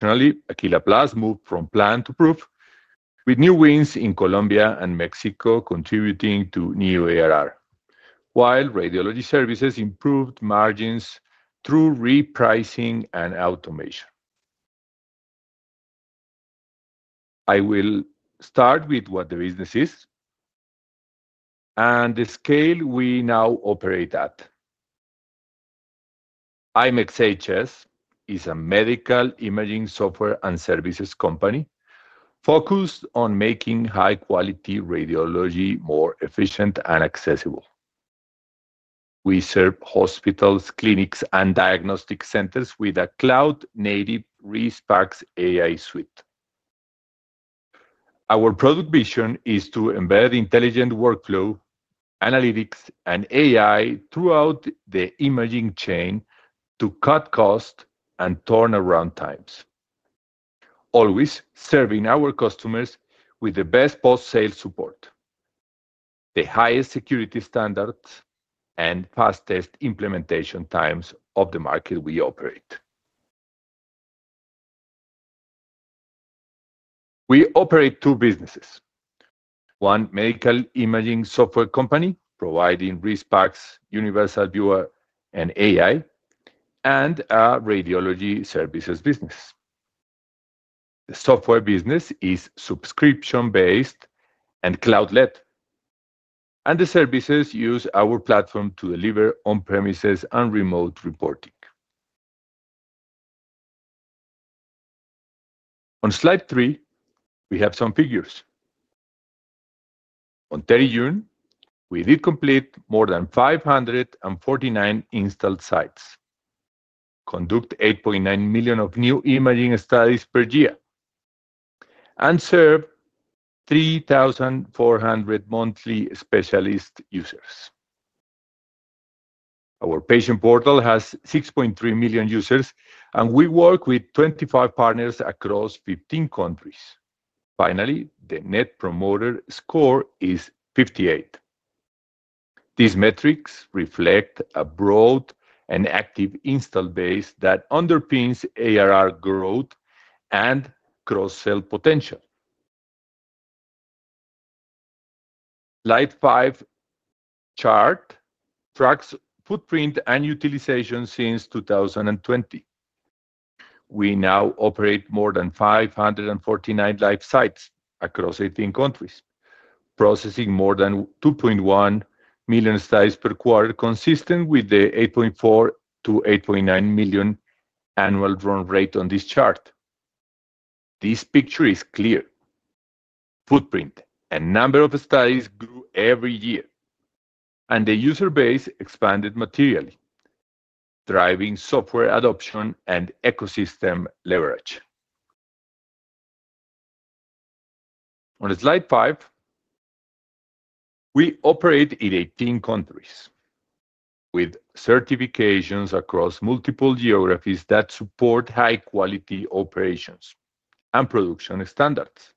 Currently, Aquila Plus moved from plan to proof, with new wins in Colombia and Mexico contributing to new ARR. While radiology services improved margins through repricing and automation. I will start with what the business is and the scale we now operate at. ImExHS is a medical imaging software and services company focused on making high-quality radiology more efficient and accessible. We serve hospitals, clinics, and diagnostic centers with a cloud-native RespEx AI suite. Our product vision is to embed intelligent workflow, analytics, and AI throughout the imaging chain to cut costs and turnaround times, always serving our customers with the best post-sale support, the highest security standards, and fastest implementation times of the market we operate. We operate two businesses: one medical imaging software company providing RespEx, Universal Viewer, and AI, and a radiology services business. The software business is subscription-based and cloud-led, and the services use our platform to deliver on-premises and remote reporting. On slide three, we have some figures. On 30 June, we did complete more than 549 installed sites, conduct 8.9 million of new imaging studies per year, and serve 3,400 monthly specialist users. Our patient portal has 6.3 million users, and we work with 25 partners across 15 countries. Finally, the Net Promoter Score is 58. These metrics reflect a broad and active install base that underpins ARR growth and cross-sell potential. Slide five chart tracks footprint and utilization since 2020. We now operate more than 549 live sites across 18 countries, processing more than 2.1 million studies per quarter, consistent with the 8.4 to 8.9 million annual drawn rate on this chart. This picture is clear: footprint and number of studies grew every year, and the user base expanded materially, driving software adoption and ecosystem leverage. On slide five, we operate in 18 countries with certifications across multiple geographies that support high-quality operations and production standards,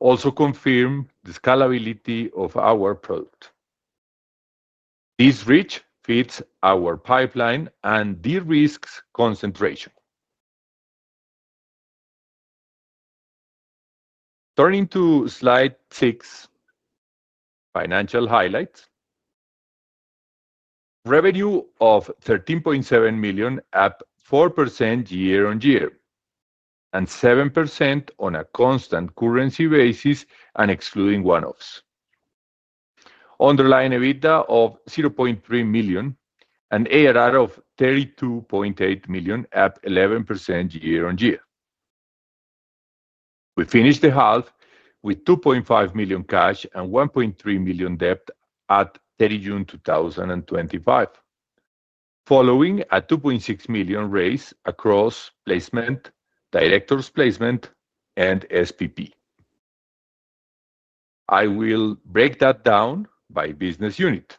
also confirm the scalability of our product. This reach fits our pipeline and de-risk concentration. Turning to slide six, financial highlights: revenue of $13.7 million at 4% year-on-year and 7% on a constant currency basis and excluding one-offs. Underlying EBITDA of $0.3 million and ARR of $32.8 million at 11% year-on-year. We finish the half with $2.5 million cash and $1.3 million debt at 30 June 2025, following a $2.6 million raise across placement, directors placement, and SPP. I will break that down by business unit.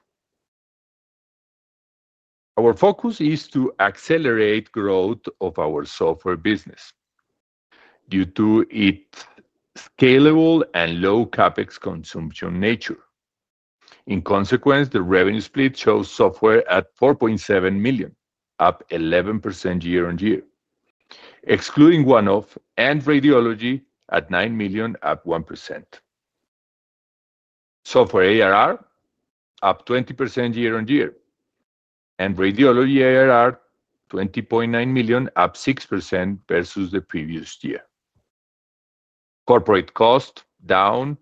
Our focus is to accelerate growth of our software business due to its scalable and low CapEx consumption nature. In consequence, the revenue split shows software at $4.7 million at 11% year-on-year, excluding one-off, and radiology at $9 million at 1%. Software ARR up 20% year-on-year and radiology ARR $20.9 million at 6% versus the previous year. Corporate cost down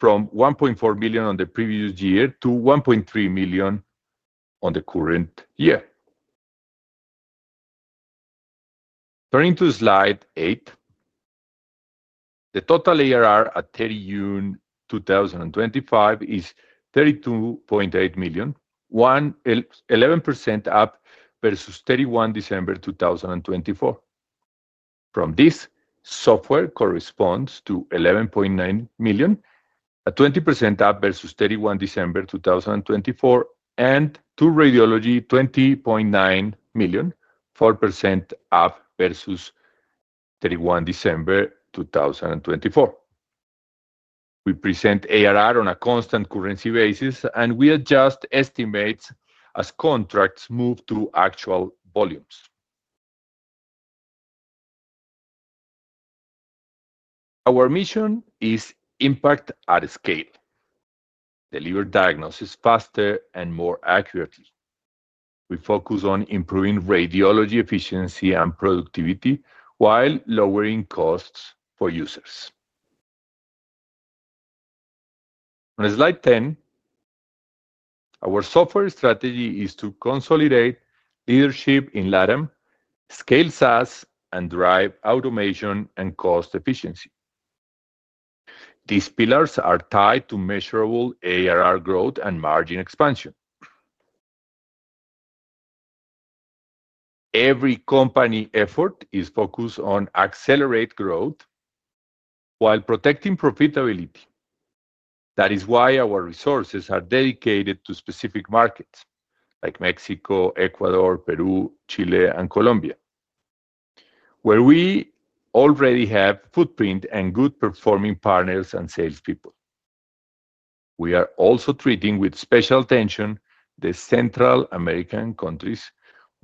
from $1.4 million on the previous year to $1.3 million on the current year. Turning to slide eight, the total ARR at 30 June 2025 is $32.8 million, 11% up versus 31 December 2024. From this, software corresponds to $11.9 million, a 20% up versus 31 December 2024, and to radiology $20.9 million, 4% up versus 31 December 2024. We present ARR on a constant currency basis, and we adjust estimates as contracts move to actual volumes. Our mission is impact at scale: deliver diagnosis faster and more accurately. We focus on improving radiology efficiency and productivity while lowering costs for users. On slide 10, our software strategy is to consolidate leadership in LATAM, scale SaaS, and drive automation and cost efficiency. These pillars are tied to measurable ARR growth and margin expansion. Every company effort is focused on accelerated growth while protecting profitability. That is why our resources are dedicated to specific markets like Mexico, Ecuador, Peru, Chile, and Colombia, where we already have footprint and good performing partners and salespeople. We are also treating with special attention the Central American countries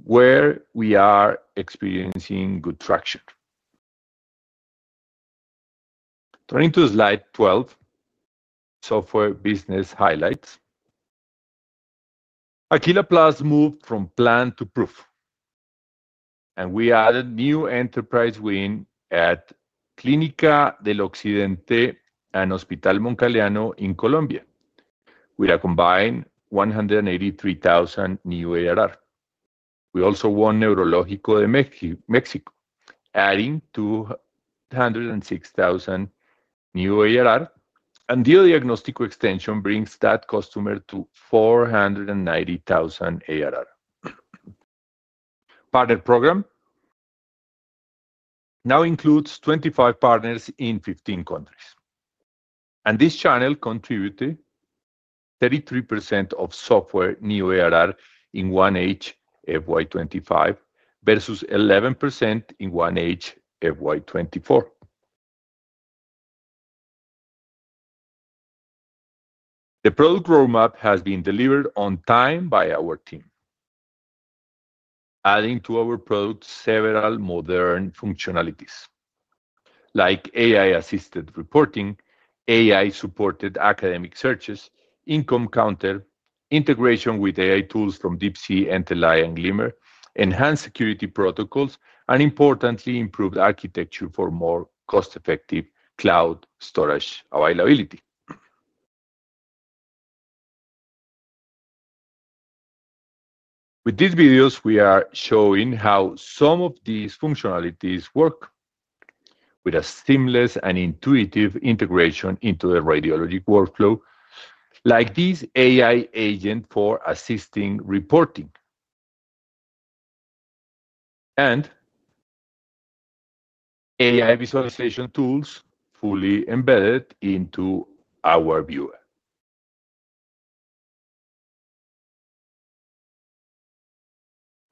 where we are experiencing good traction. Turning to slide 12, software business highlights. Aquila Plus moved from plan to proof, and we added new enterprise wins at Clínica del Occidente and Hospital Moncaliano in Colombia, with a combined $183,000 new ARR. We also won Neurológico de México, adding $206,000 new ARR, and Dio Diagnóstico Extension brings that customer to $490,000 ARR. Partner program now includes 25 partners in 15 countries, and this channel contributed 33% of software new ARR in 1H FY25 versus 11% in 1H FY24. The product roadmap has been delivered on time by our team, adding to our product several modern functionalities, like AI-assisted reporting, AI-supported academic searches, income counter, integration with AI tools from DeepSea, Entelly, and Glimmer, enhanced security protocols, and, importantly, improved architecture for more cost-effective cloud storage availability. With these videos, we are showing how some of these functionalities work with a seamless and intuitive integration into the radiology workflow, like this AI agent for assisting reporting and AI visualization tools fully embedded into our viewer.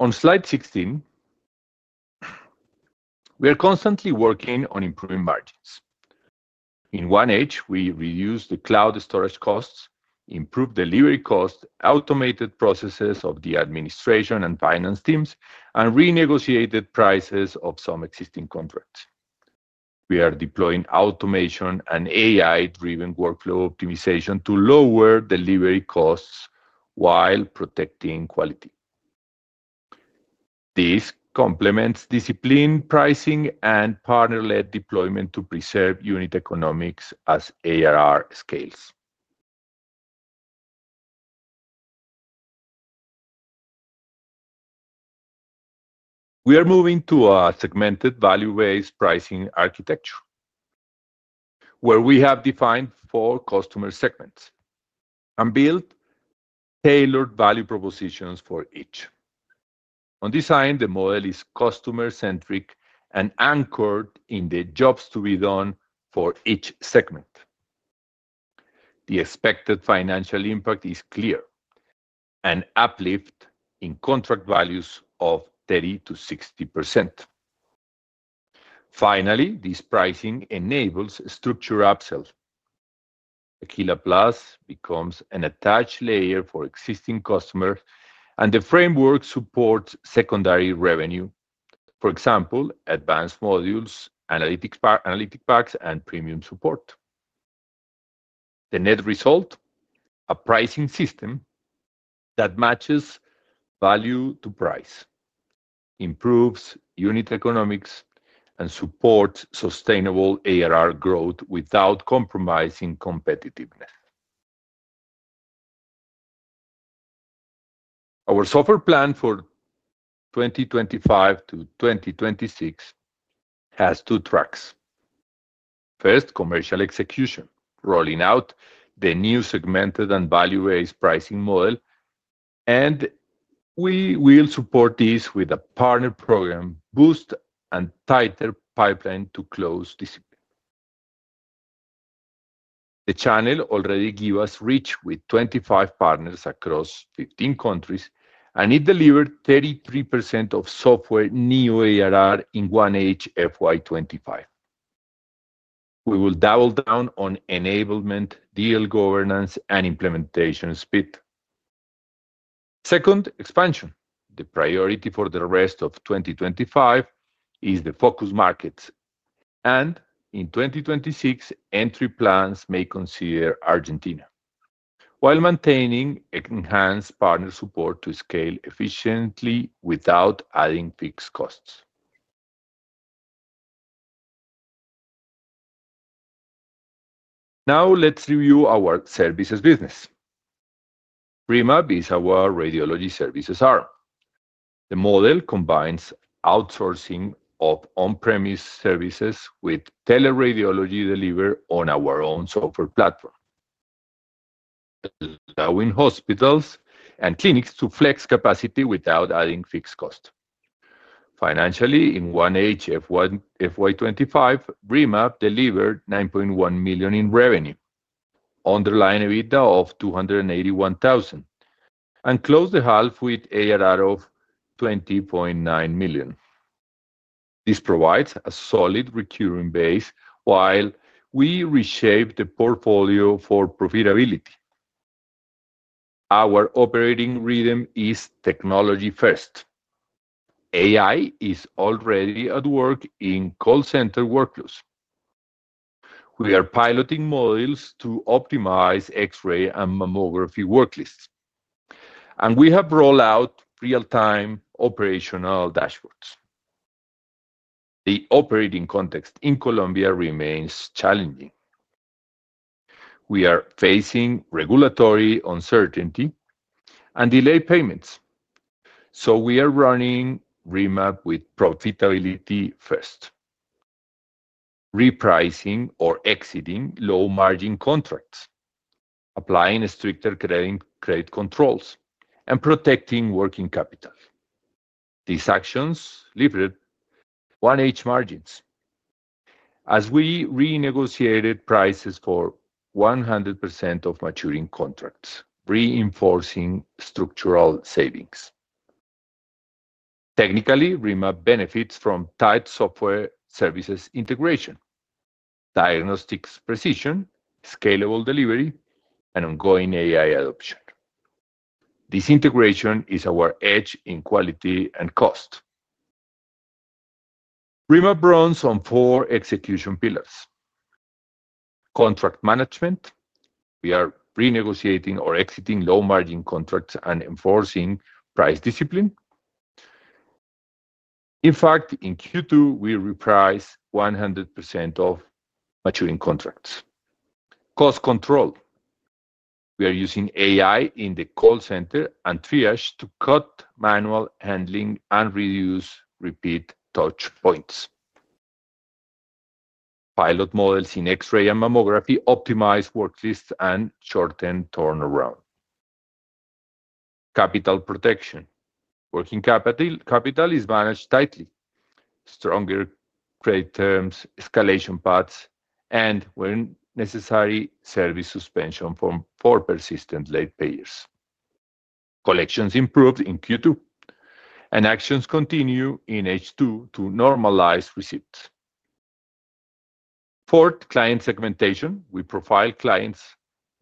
On slide 16, we are constantly working on improving margins. In one area, we reduced the cloud storage costs, improved delivery costs, automated processes of the administration and finance teams, and renegotiated prices of some existing contracts. We are deploying automation and AI-driven workflow optimization to lower delivery costs while protecting quality. This complements disciplined pricing and partner-led deployment to preserve unit economics as ARR scales. We are moving to a segmented value-based pricing architecture where we have defined four customer segments and built tailored value propositions for each. On design, the model is customer-centric and anchored in the jobs to be done for each segment. The expected financial impact is clear: an uplift in contract values of 30% to 60%. Finally, this pricing enables structured upsells. Aquila Plus becomes an attached layer for existing customers, and the framework supports secondary revenue, for example, advanced modules, analytic packs, and premium support. The net result: a pricing system that matches value to price, improves unit economics, and supports sustainable ARR growth without compromising competitiveness. Our software plan for 2025 to 2026 has two tracks: first, commercial execution, rolling out the new segmented and value-based pricing model, and we will support this with a partner program, boost, and tighter pipeline to close this year. The channel already gives us reach with 25 partners across 15 countries, and it delivered 33% of software new ARR in FY25. We will double down on enablement, deal governance, and implementation speed. Second, expansion: the priority for the rest of 2025 is the focus markets, and in 2026, entry plans may consider Argentina while maintaining enhanced partner support to scale efficiently without adding fixed costs. Now, let's review our services business. RIMAB is our radiology services arm. The model combines outsourcing of on-premise services with teleradiology delivery on our own software platform, allowing hospitals and clinics to flex capacity without adding fixed costs. Financially, in 1H FY25, RIMAB delivered $9.1 million in revenue, underlying EBITDA of $281,000, and closed the half with ARR of $20.9 million. This provides a solid recurring base while we reshape the portfolio for profitability. Our operating rhythm is technology-first. AI is already at work in call center workflows. We are piloting models to optimize X-ray and mammography worklists, and we have rolled out real-time operational dashboards. The operating context in Colombia remains challenging. We are facing regulatory uncertainty and delayed payments, so we are running RIMAB with profitability first, repricing or exiting low-margin contracts, applying stricter credit controls, and protecting working capital. These actions delivered 1H margins as we renegotiated prices for 100% of maturing contracts, reinforcing structural savings. Technically, RIMAB benefits from tight software services integration, diagnostics precision, scalable delivery, and ongoing AI adoption. This integration is our edge in quality and cost. RIMAB runs on four execution pillars: contract management. We are renegotiating or exiting low-margin contracts and enforcing price discipline. In fact, in Q2, we repriced 100% of maturing contracts. Cost control: we are using AI in the call center and triage to cut manual handling and reduce repeat touch points. Pilot models in X-ray and mammography optimize worklists and shorten turnaround. Capital protection: working capital is managed tightly. Stronger credit terms, escalation paths, and when necessary, service suspension for persistent late payers. Collections improved in Q2, and actions continue in H2 to normalize receipts. Fourth, client segmentation: we profile clients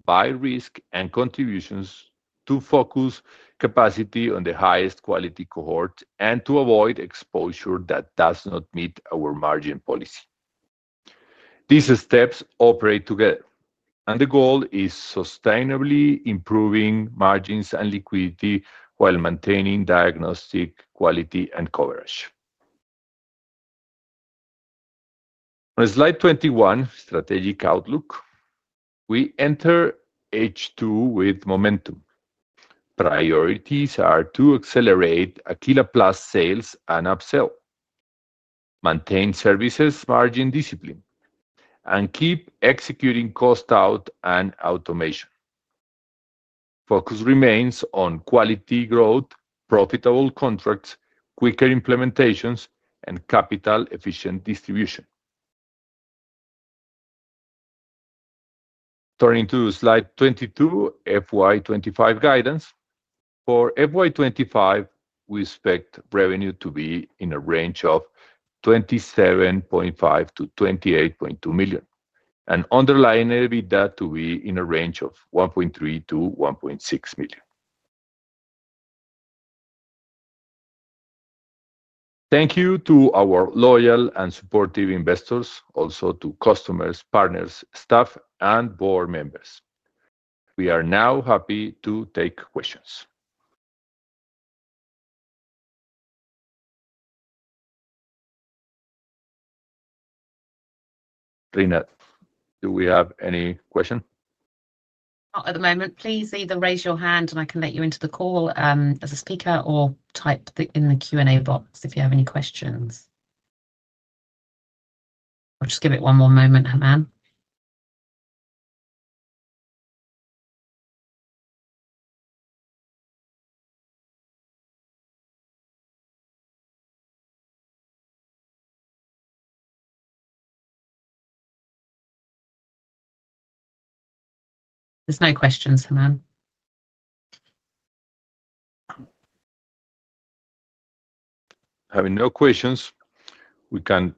by risk and contributions to focus capacity on the highest quality cohort and to avoid exposure that does not meet our margin policy. These steps operate together, and the goal is sustainably improving margins and liquidity while maintaining diagnostic quality and coverage. On slide 21, strategic outlook: we enter H2 with momentum. Priorities are to accelerate Aquila Plus sales and upsell, maintain services margin discipline, and keep executing cost out and automation. Focus remains on quality growth, profitable contracts, quicker implementations, and capital-efficient distribution. Turning to slide 22, FY2025 guidance: for FY2025, we expect revenue to be in a range of $27.5 to $28.2 million, and underlying EBITDA to be in a range of $1.3 to $1.6 million. Thank you to our loyal and supportive investors, also to customers, partners, staff, and board members. We are now happy to take questions. Reena, do we have any questions? At the moment, please either raise your hand and I can let you into the call as a speaker, or type in the Q&A box if you have any questions. I'll just give it one more moment, Heman. There's no questions, Heman. Having no questions, we can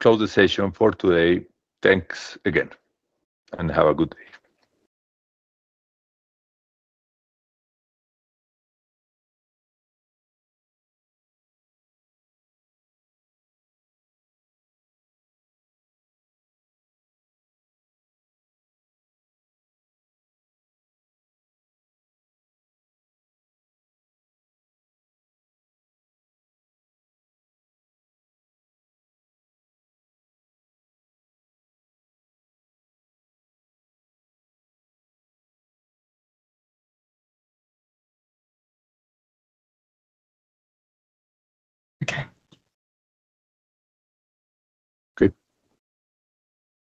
close the session for today. Thanks again and have a good day.